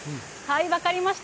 分かりました。